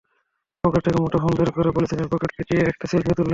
Pocket থেকে মুঠোফোন বের করে পলিথিনের প্যাকেটে পেঁচিয়ে একটা সেলফিও তুললেন।